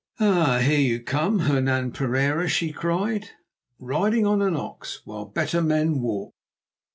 "Ah! here you come, Hernan Pereira," she cried, "riding on an ox, while better men walk.